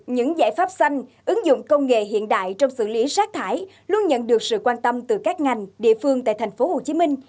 những giải pháp xanh ứng dụng công nghệ hiện đại trong xử lý sát thải luôn nhận được sự quan tâm từ các ngành địa phương tại tp hcm